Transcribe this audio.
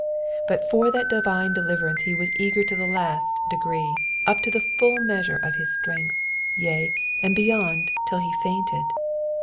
But for that divine deliverance he was eager to the last degree,— up to the full measure of his strength, yea, and beyond it till he fainted.